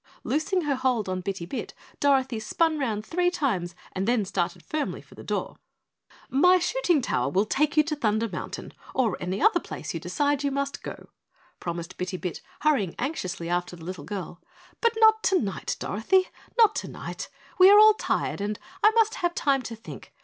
Loosing her hold on Bitty Bit, Dorothy spun round three times and then started firmly for the door. "My shooting tower will take you to Thunder Mountain or any other place you decide you must go," promised Bitty Bit, hurrying anxiously after the little girl, "but not tonight, Dorothy not tonight. We are all tired and I must have time to think.